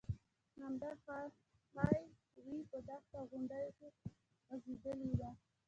همدغه های وې په دښته او غونډیو کې غځېدلې ده.